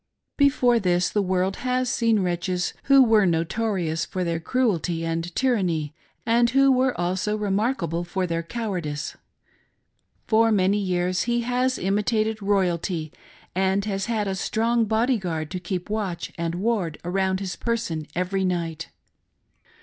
Before this the world has seen wretches who were notorious for their cruelty and tyranny, and who were also remarkable for their cowardice. For many years he has imitated royalty and has had a strong body guard to keep watch and ward around his person every night.